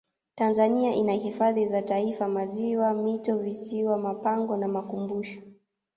tanzania ina hifadhi za taifa maziwa mito visiwa mapango na makumbusho